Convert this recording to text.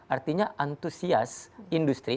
artinya antusias industri